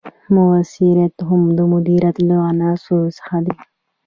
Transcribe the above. مؤثریت هم د مدیریت له عناصرو څخه دی.